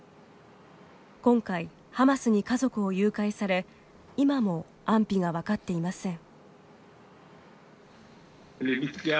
今回ハマスに家族を誘拐され今も安否が分かっていません。